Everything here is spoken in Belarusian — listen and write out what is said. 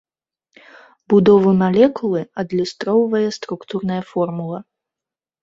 Будову малекулы адлюстроўвае структурная формула.